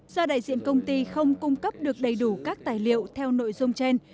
do đại diện công ty không cung cấp được đầy đủ các tài liệu theo nội dung trên